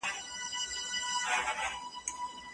آیا په هغه وخت کې د عدالت محکمه وه؟